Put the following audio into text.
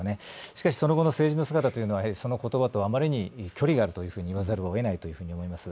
しかしその後の政治の姿はその言葉とあまりに距離があると言わざるをえないと思います。